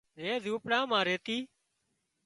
زي زونپڙا مان ريتِي